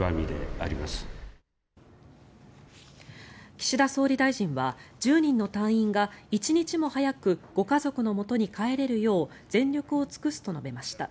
岸田総理大臣は１０人の隊員が一日も早くご家族のもとに帰れるよう全力を尽くすと述べました。